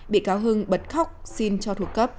bị cáo hưng bật khóc xin cho thuộc cấp